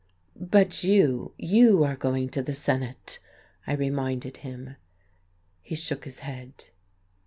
"But you you are going to the Senate," I reminded him. He shook his head.